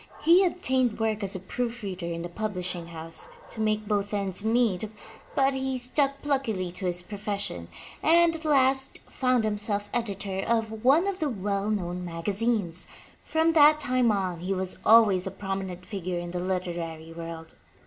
He obtained work as a proof reader in a pub lishing house, to make both ends meet, but he stuck pluckily to his profession and at last found himself editor of one of the well known magazines. From that time on he was always a prominent figure in the literary world.